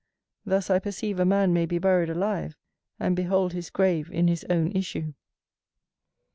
Thus I perceive a man may be buried alive, and behold his grave in his own issue.